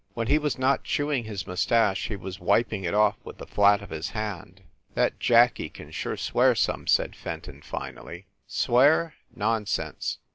When he was not chewing his mustache he was wiping it off with the flat of his hand. That Jackie can sure swear some/ said Fenton, finally. "Swear? Nonsense!